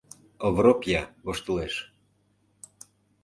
— Овропья воштылеш.